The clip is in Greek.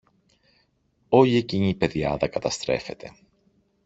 όλη εκείνη η πεδιάδα καταστρέφεται!